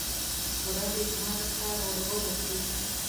ورځې زما د پلار ورغوو کې ،